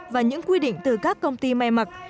và những quy định từ các công ty may mặc